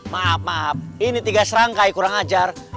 maaf maaf ini tiga serangkai kurang ajar